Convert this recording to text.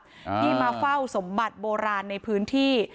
ที่มาเฝ้าสมบัติโบราณในพื้นที่